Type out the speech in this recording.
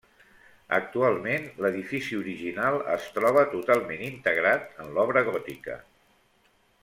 Actualment, l'edifici original es troba totalment integrat en l'obra gòtica.